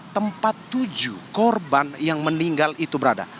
tempat tujuh korban yang meninggal itu berada